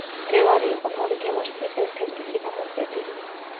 მდევარი იყო მორიგე ლაშქრის ერთ-ერთი წინამორბედი.